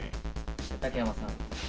竹山さん。